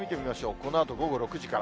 このあと午後６時から。